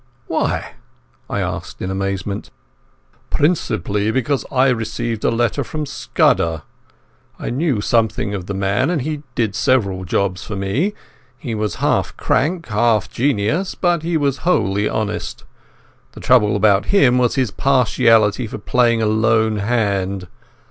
"Why?" I asked in amazement. "Principally because I received a letter from Scudder. I knew something of the man, and he did several jobs for me. He was half crank, half genius, but he was wholly honest. The trouble about him was his partiality for playing a lone hand.